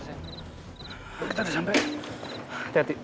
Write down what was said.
kita sudah sampai